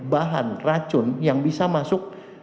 bahan racun yang bisa masuk